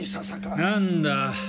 何だ？